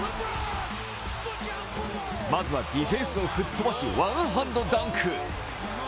まずはディフェンスを吹っ飛ばしワンハンドダンク。